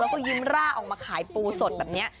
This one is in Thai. แล้วก็ยิ้มร่าออกมาขายปูสดแบบนี้